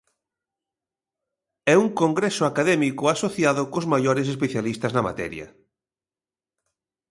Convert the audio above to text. E un congreso académico asociado cos maiores especialistas na materia.